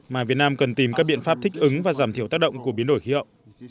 mà việt nam cần tìm các biện pháp thích ứng và giảm thiểu tác động của biến đổi khí hậu